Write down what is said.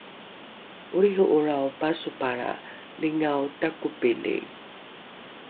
olriho’olrao pasopalra lingao takopili